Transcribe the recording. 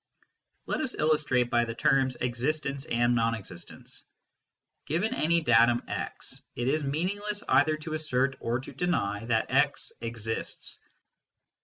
Let us illustrate by the terms " existence " and " non existence." Given any datum x, it is meaningless either to assert or to deny that x " exists."